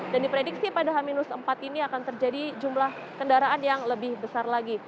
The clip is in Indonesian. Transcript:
dan diprediksi pada h empat ini akan terjadi jumlah kendaraan yang lebih besar lagi